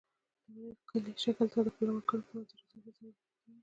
د ونې کلي شکل ته د ښکلا ورکولو په منظور اضافي څانګې پرې کېږي.